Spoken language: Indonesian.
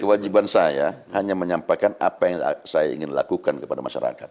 kewajiban saya hanya menyampaikan apa yang saya ingin lakukan kepada masyarakat